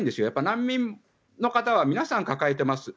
難民の方は皆さん抱えています。